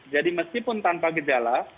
jadi meskipun tanpa gejala